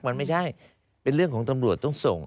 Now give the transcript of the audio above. มันไม่ใช่เป็นเรื่องของตำรวจต้องส่ง